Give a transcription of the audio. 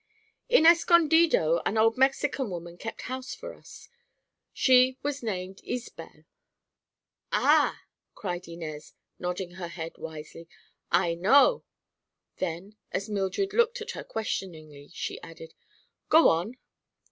"In Escondido an old Mexican woman kept house for us. She was named Izbel." "Ah!" cried Inez, nodding her head wisely; "I know." Then, as Mildred looked at her questioningly, she added: "Go on."